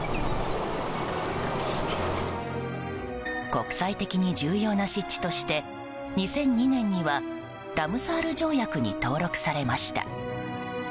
国際的に重要な湿地として２００２年にはラムサール条約に登録されました。